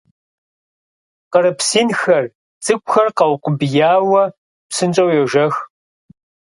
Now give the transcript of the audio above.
Къырыпс инхэр, цӀыкӀухэр къэукъубияуэ, псынщӀэу йожэх.